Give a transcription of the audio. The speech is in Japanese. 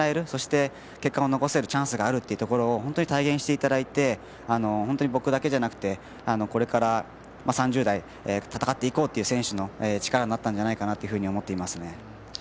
そして、結果が残せるチャンスがあるということを体現していただいて本当に僕だけじゃなくてこれから、３０代戦っていこうという選手の力になったんじゃないかなと思っていますね。